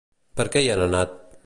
Per què hi han anat?